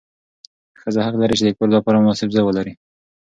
ښځه حق لري چې د کور لپاره مناسب ځای ولري.